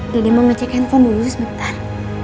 mau ngecek handphone dulu sebentar